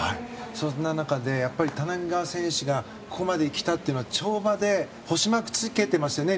そんな中でやっぱり谷川選手がここまで来たというのは、跳馬で星マークをつけていましたよね